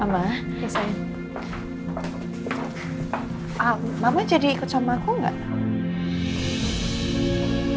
mama jadi ikut sama aku gak